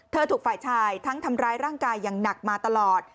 ถูกฝ่ายชายทั้งทำร้ายร่างกายอย่างหนักมาตลอด